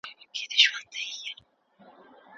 د پرمختګ لپاره يوازې دولتي سکتور بسنه نه کوي.